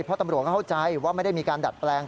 เพราะตำรวจก็เข้าใจว่าไม่ได้มีการดัดแปลง